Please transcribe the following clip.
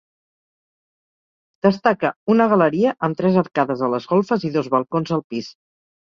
Destaca una galeria amb tres arcades a les golfes i dos balcons al pis.